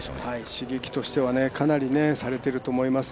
刺激としてはかなりされていると思います。